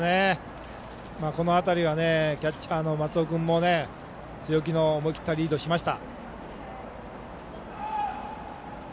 この辺りはキャッチャーの松尾君も強気の思い切ったリードをしました。